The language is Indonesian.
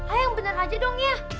ayo yang bener aja dong ya